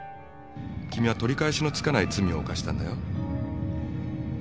君は取り返しのつかない罪を犯したんだよ。